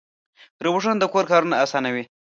روبوټونه د کور کارونه اسانوي.